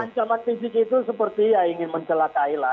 ancaman fisik itu seperti ingin mencelatailah